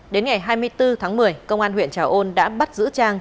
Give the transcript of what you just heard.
đến ngày hai mươi bốn tháng một mươi công an huyện trà ôn đã bắt giữ trang